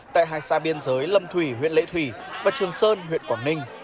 tại hai xa biên giới lâm thủy huyện lễ thủy và trường sơn huyện quảng ninh